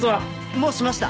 もうしました！